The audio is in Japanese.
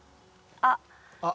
あっ。